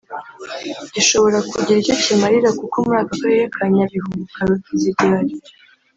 gishobora kugira icyo kiramira kuko muri aka karere ka Nyabihu karoti zigihari